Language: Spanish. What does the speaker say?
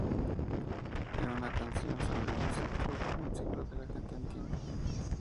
Es una canción sobre un ciclo, un ciclo que la gente entiende.